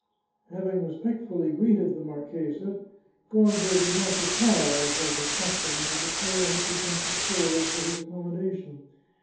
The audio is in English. Having respectfully greeted the marchesa, Gonzo did not retire, as was his custom, to the chair which had been put forward for his accommodation.